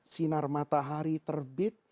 sinar matahari terbit